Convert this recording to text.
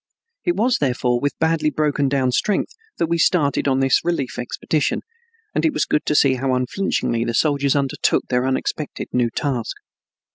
It was, therefore, with badly broken down strength that we started on this relief expedition, and it was good to see how unflinchingly the soldiers undertook their unexpected new task.